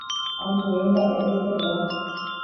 Ambue mba'e hesegua.